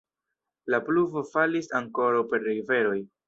La pluvo falis ankoraŭ per riveroj.